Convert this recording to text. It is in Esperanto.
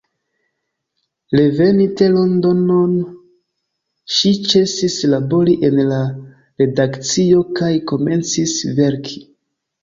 Reveninte Londonon, ŝi ĉesis labori en la redakcio kaj komencis verki.